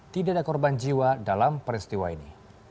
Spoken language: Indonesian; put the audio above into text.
tidak ada korban jiwa dalam peristiwa ini